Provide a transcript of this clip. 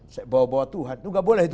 saya bawa bawa tuhan itu gak boleh itu